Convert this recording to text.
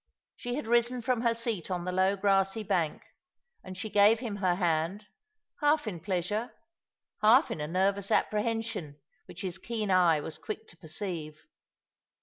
She had risen from her seat on the low grassy bank, and she gave him her hand, half in pleasure, half in a nervous apprehension which his keen eye was quick to perceive.